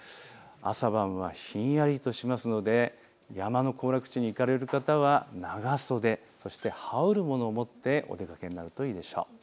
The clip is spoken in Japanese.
朝晩はひんやりとしますので山の行楽地に行かれる方は長袖、そして羽織るものを持ってお出かけになるといいでしょう。